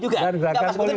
enggak harus diakuin